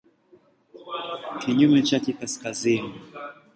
Kinyume chake ni kaskazini.